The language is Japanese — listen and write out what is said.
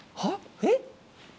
えっ？